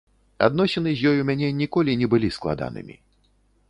Адносіны з ёй у мяне ніколі не былі складанымі.